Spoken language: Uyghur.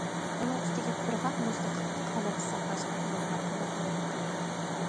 ئۇنىڭ ئۈستىگە قۇرغاق مۇزنى قاتتىق ھالەتتە ساقلاشقا قويۇلىدىغان تەلەپمۇ يۇقىرى.